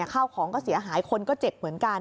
ข้าวของก็เสียหายคนก็เจ็บเหมือนกัน